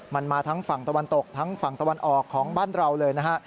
มันมาทั้งฝั่งตะวันตกทั้งฝั่งตะวันออกของบ้านเราเลยนะฮะ